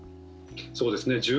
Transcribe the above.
そうですね。